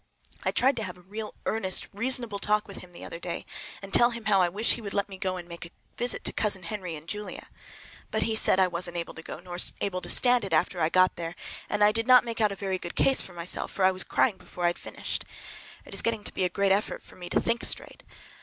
I tried to have a real earnest reasonable talk with him the other day, and tell him how I wish he would let me go and make a visit to Cousin Henry and Julia. But he said I wasn't able to go, nor able to stand it after I got there; and I did not make out a very good case for myself, for I was crying before I had finished. It is getting to be a great effort for me to think straight.